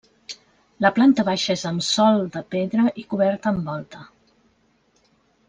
La planta baixa és amb sòl de pedra i coberta amb volta.